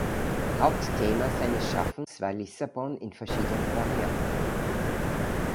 Hauptthema seines Schaffens war Lissabon in verschiedenen Varianten.